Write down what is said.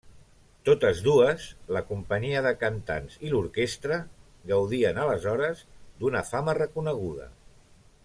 Totes dues, la companyia de cantants i l'orquestra, gaudien aleshores d'una fama reconeguda.